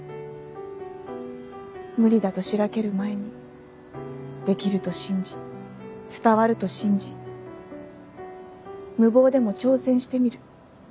無理だと白ける前にできると信じ伝わると信じ無謀でも挑戦してみる。